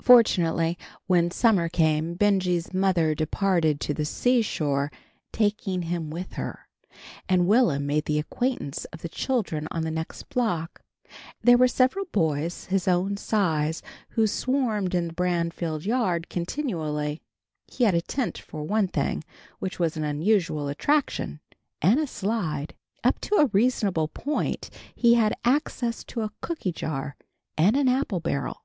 Fortunately, when summer came, Benjy's mother departed to the seashore, taking him with her, and Will'm made the acquaintance of the children on the next block. There were several boys his own size who swarmed in the Branfield yard continually. He had a tent for one thing, which was an unusual attraction, and a slide. Up to a reasonable point he had access to a cooky jar and an apple barrel.